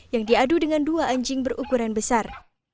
yang diadu dengan dua anjing berukuran besar